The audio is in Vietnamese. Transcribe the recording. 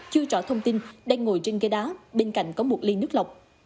chưa trỏ thông tin đang ngồi trên ghế đá bên cạnh có một ly nước lọc